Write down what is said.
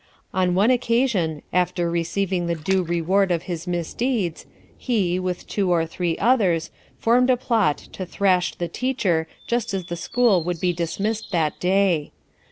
On one occasion, after receiving the due reward of his misdeeds, he, with two or three others, formed a plot to thrash the teacher just as the school would be dismissed that day.